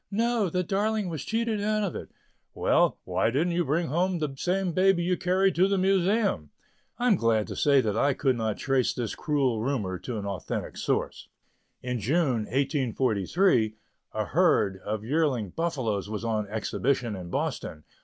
"No! the darling was cheated out of it." "Well, why didn't you bring home the same baby you carried to the Museum?" I am glad to say that I could not trace this cruel rumor to an authentic source. In June 1843, a herd of yearling buffaloes was on exhibition in Boston.